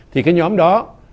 thì cái nhóm đó